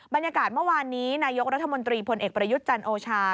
บรรยากาศเมื่อวานนี้นายกรัฐมนตรีพลเอกประยุทธ์จันโอชา